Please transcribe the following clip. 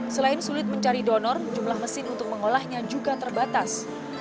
selain sulit mencari donor jumlah mesin untuk mengolahnya juga terbatas